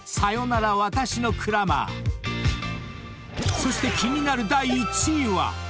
［そして気になる第１位は］